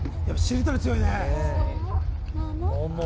しりとり強いね。